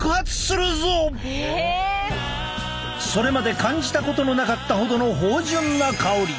それまで感じたことのなかったほどの芳じゅんな香り。